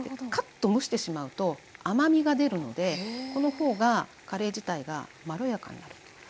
かっと蒸してしまうと甘みが出るのでこの方がカレー自体がまろやかになる。